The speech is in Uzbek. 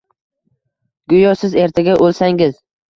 Go'yo siz ertaga o'lsangiz.